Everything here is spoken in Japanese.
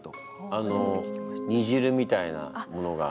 あのにじるみたいなものが。